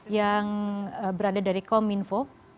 yang berada dari kominfo